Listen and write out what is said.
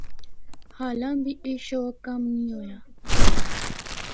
حالاں بھی اے شوق کم نیں ہویا۔